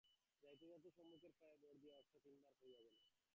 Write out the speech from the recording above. যাইতে যাইতে সম্মুখের পায়ে ভর দিয়া অশ্ব তিনবার পড়িয়া গেল।